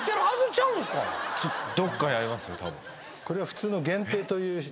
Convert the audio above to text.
これは普通の限定という。